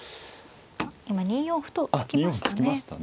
今２四歩と突きましたね。